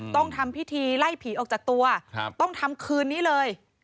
ต้องทำพิธีไล่ผีออกจากตัวต้องทำคืนนี้เลย